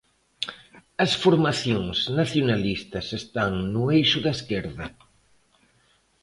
As formacións nacionalistas están no eixo da esquerda.